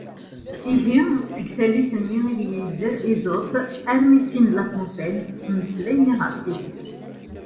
Ihi seg tallit-nni ideg yedder Esope armi d tin n La Fontaine “mmeslayen iɣersiwen”.